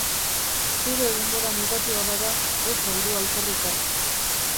Zure denbora mugatua bada, ez galdu alferrikan.